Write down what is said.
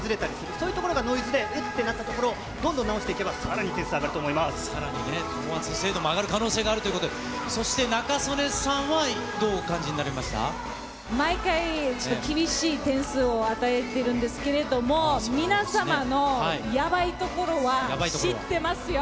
そういうところがノイズで、うってなったところを、どんどん直していけば、さらに精度も上がる可能性もあるということで、そして、仲宗根さんはどうお感じになりま毎回、厳しい点数を与えてるんですけれども、皆様のやばいところは知ってますよ。